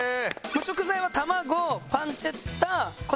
食材は卵パンチェッタ粉チーズ